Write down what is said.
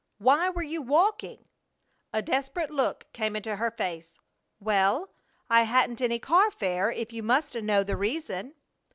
"Why were you walking?" A desperate look came into her face. "Well, I hadn't any car fare, if you must know the reason."